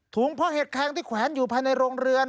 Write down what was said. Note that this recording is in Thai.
เพราะเห็ดแคงที่แขวนอยู่ภายในโรงเรือน